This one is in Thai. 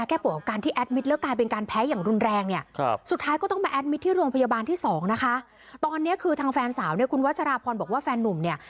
คือทางแฟนสาวเนี่ยคุณวัชราพรบอกว่าแฟนนุ่มเนี่ย